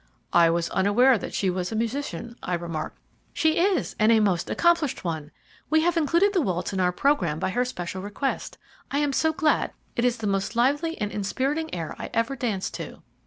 "I was unaware that she was a musician," I remarked. "She is, and a most accomplished one. We have included the waltz in our programme by her special request. I am so glad; it is the most lively and inspiriting air I ever danced to."